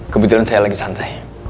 kebetulan saya lagi santai